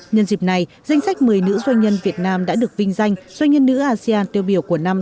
nhân dịp này danh sách một mươi nữ doanh nhân việt nam đã được vinh danh doanh nhân nữ asean tiêu biểu của năm